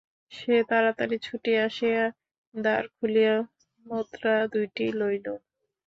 সে তাড়াতাড়ি ছুটিয়া আসিয়া দ্বার খুলিয়া মুদ্রা দুইটি লইল।